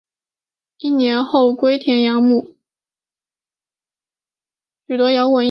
许多摇滚音乐人也把强生看作是对他们有重要影响的人。